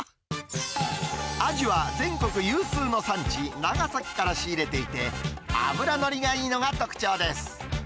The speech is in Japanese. アジは全国有数の産地、長崎から仕入れていて、脂乗りがいいのが特徴です。